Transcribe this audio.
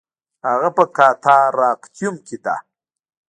هغه په کاتاراکتیوم کې ده